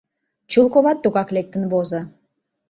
Чулковат тугак лектын возо.